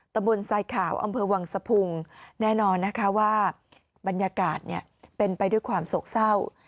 ตะบนทรายขาวอำเภอวังสะพุงแน่นอนนะคะว่าบรรยากาศเป็นไปด้วยความโศกเศร้า